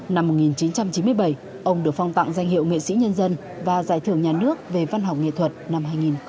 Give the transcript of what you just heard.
năm một nghìn chín trăm chín mươi bảy ông được phong tặng danh hiệu nghệ sĩ nhân dân và giải thưởng nhà nước về văn học nghệ thuật năm hai nghìn một mươi